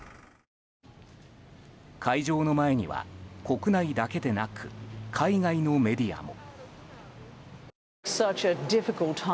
会場の前には国内だけでなく海外のメディアも。